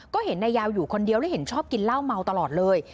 ก็เห็นนายยาวอยู่คนเดียวแล้วเห็นชอบกินเหล้าเมาตลอดเลย